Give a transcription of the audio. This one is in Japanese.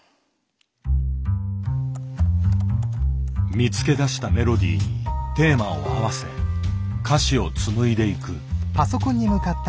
見つけ出したメロディーにテーマを合わせ歌詞を紡いでいく。